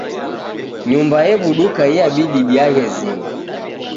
Nyumba ew'uduka iabidi diaghe zima